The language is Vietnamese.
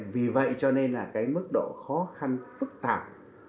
vì vậy cho nên là cái mức độ khó khăn phức tạp